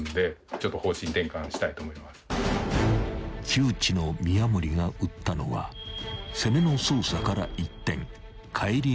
［窮地の宮守が打ったのは攻めの捜査から一転帰り